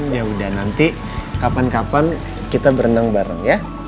ya udah nanti kapan kapan kita berenang bareng ya